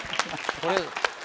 これ。